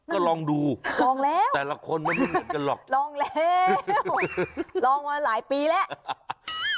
ก็ลองดูลองแล้วแต่ละคนมันไม่เหมือนกันหรอกลองแล้วลองมาหลายปีแล้ว